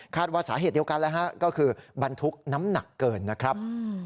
ว่าสาเหตุเดียวกันแล้วฮะก็คือบรรทุกน้ำหนักเกินนะครับ